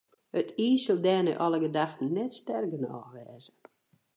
It iis sil dêr nei alle gedachten net sterk genôch wêze.